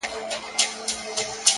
د ګیلاس لوري د شراب او د مینا لوري’